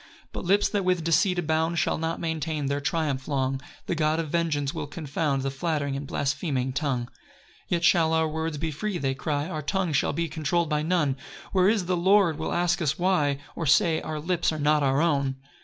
3 But lips, that with deceit abound, Shall not maintain their triumph long; The God of vengeance will confound The flattering and blaspheming tongue. 4 "Yet shall our words be free," they cry, "Our tongue shall be controll'd by none: "Where is the Lord will ask us why? "Or say, our lips are not our own?"